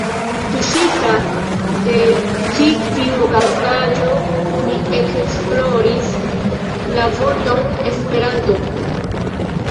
Tuŝita de ĉi tiu okazaĵo, mi ekesploris la vorton ”Esperanto”.